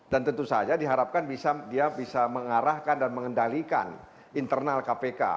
dan tentu saja diharapkan dia bisa mengarahkan dan mengendalikan internal kpk